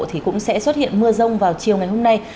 thì cũng sẽ xuất hiện mưa rông vào chiều ngày hôm nay